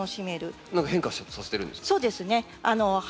何か変化させてるんですか？